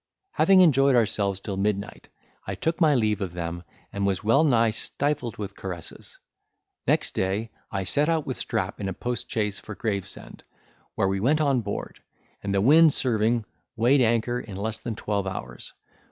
Having enjoyed ourselves till midnight, I took my leave of them, and was well nigh stifled with caresses: next day, I set out with Strap in a postchaise for Gravesend, where we went on board; and the wind serving, weighed anchor in less than twelve hours.